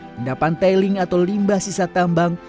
pendapan tailing atau limbah sisa tambang